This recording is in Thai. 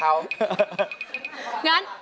ครับมีแฟนเขาเรียกร้อง